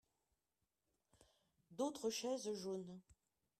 D'autres chaises jaunes.